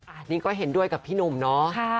อันนี้ก็เห็นด้วยกับพี่หนุ่มเนาะ